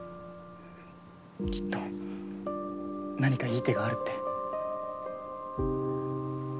きっと何かいい手があるって。